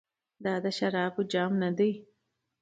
دا د شرابو جام ندی.